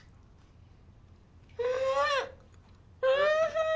うんおいしい！